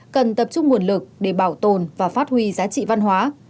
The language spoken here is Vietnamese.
cần tập trung nguồn lực để bảo tồn và phát huy giá trị văn hóa